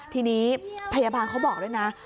ทีนี้พยาบาลเขาบอกด้วยนะ